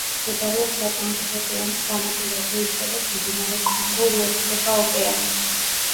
მდებარეობს ატლანტის ოკეანის სანაპიროზე, იქ სადაც მდინარე კონგო უერთდება ოკეანეს.